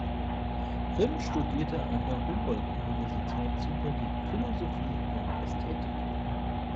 Grimm studierte an der Humboldt-Universität zu Berlin Philosophie und Ästhetik.